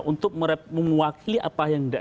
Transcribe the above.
untuk mewakili apa yang